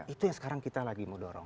itu yang sekarang kita lagi mau dorong